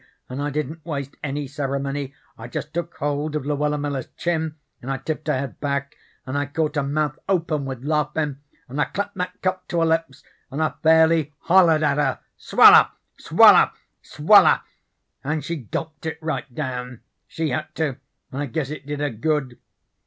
And I didn't waste any ceremony. I just took hold of Luella Miller's chin and I tipped her head back, and I caught her mouth open with laughin', and I clapped that cup to her lips, and I fairly hollered at her: 'Swaller, swaller, swaller!' and she gulped it right down. She had to, and I guess it did her good.